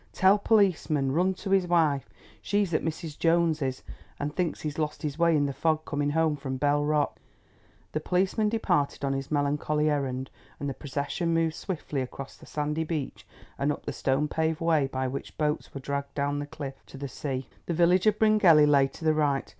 Tell policeman—run to his wife. She's at Mrs. Jones's, and thinks he has lost his way in the fog coming home from Bell Rock." The policeman departed on his melancholy errand and the procession moved swiftly across the sandy beach and up the stone paved way by which boats were dragged down the cliff to the sea. The village of Bryngelly lay to the right.